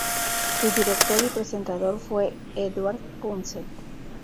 Su director y presentador fue Eduard Punset.